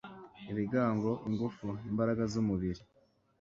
ibigango ingufu, imbaraga z'umubiri